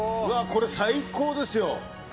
これ最高ですよ！